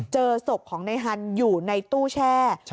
เจอศพของในฮันอยู่ในตู้แช่